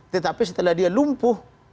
tetapi setelah dia lumpuh